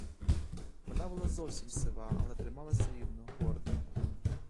Вона була зовсім сива, але трималася рівно, гордо.